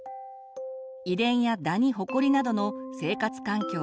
遺伝やダニホコリなどの生活環境